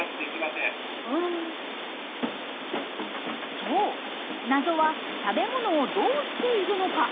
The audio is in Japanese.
そう謎は食べ物をどうしているのか。